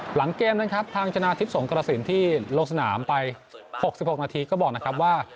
หลังเกมนะครับทางชนะทิพย์สงกระสินที่ลงสนามไป๖๖นาทีก็บอกนะครับว่า